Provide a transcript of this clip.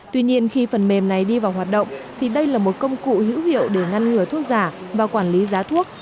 tuy nhiên khi phần mềm này đi vào hoạt động thì đây là một công cụ hữu hiệu để ngăn ngừa thuốc giả và quản lý giá thuốc